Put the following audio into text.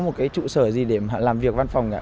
một trụ sở gì để làm việc văn phòng cả